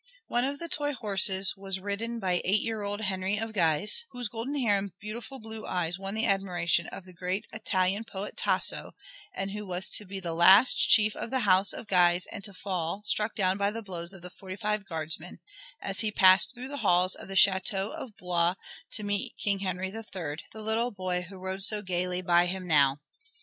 One of the toy horses was ridden by eight year old Henry of Guise, whose golden hair and beautiful blue eyes won the admiration of the great Italian poet Tasso, and who was to be the last chief of the house of Guise and to fall, struck down by the blows of the forty five guardsmen, as he passed through the halls of the château of Blois to meet King Henry III, the little boy who rode so gaily by him now.